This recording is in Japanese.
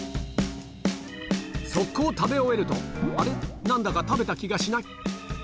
速攻、食べ終えると、あれ、なんだか食べた気がしない。